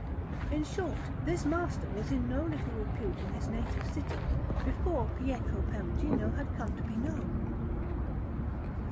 In short, this master was in no little repute in his native city before Pietro Perugino had come to be known.